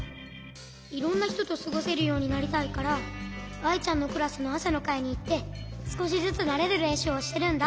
いろんなひととすごせるようになりたいからアイちゃんのクラスのあさのかいにいってすこしずつなれるれんしゅうをしてるんだ。